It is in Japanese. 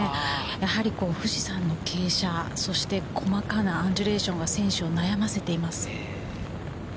やはり富士山の傾斜、そして細かなアンジュレーションが選手を悩ませています。